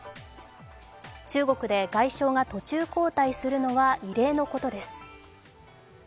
中国で外相が途中交代するのは異例のことです。